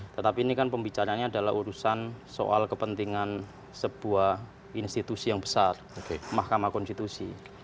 tetapi ini kan pembicaranya adalah urusan soal kepentingan sebuah institusi yang besar mahkamah konstitusi